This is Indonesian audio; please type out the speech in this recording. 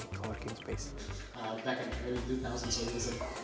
jadi coworking space ini menjadi perusahaan yang sangat menarik